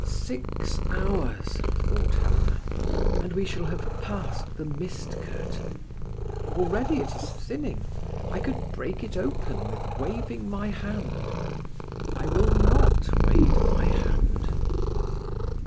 "Six hours," thought Helena, "and we shall have passed the mist curtain. Already it is thinning. I could break it open with waving my hand. I will not wave my hand."